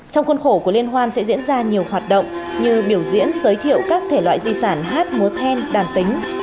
trong khuôn khổ của liên hoan sẽ diễn ra nhiều hoạt động như biểu diễn giới thiệu các thể loại di sản hát múa khen đàn tính